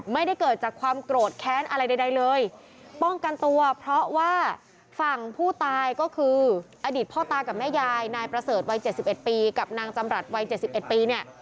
ไม่ได้เกิดจากความโกรธแค้นอะไรใดเลยป้องกันตัวเพราะว่าฝั่งผู้ตายก็คืออดีตพ่อตากับแม่ยายนายประเสริฐวัย๗๑ปีกับนางจำรัฐวัย๗๑ปีเนี่ย